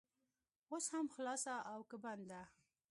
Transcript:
اوس هم خلاصه او که بنده؟